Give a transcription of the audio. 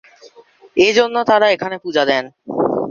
এজন্য তারা এখানে পূজা দেন।